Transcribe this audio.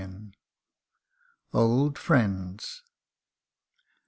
189 OLD FRIENDS.